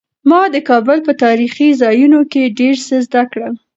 ما د کابل په تاریخي ځایونو کې ډېر څه زده کړل.